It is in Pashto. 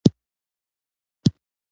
ځینې محصلین د ستونزو پر وړاندې امید ساتي.